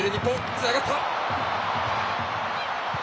つながった。